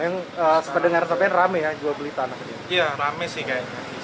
yang sepedengar sampein rame ya jual beli tanahnya iya rame sih kayaknya